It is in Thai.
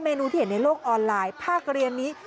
นูที่เห็นในโลกออนไลน์ภาคเรียนนี้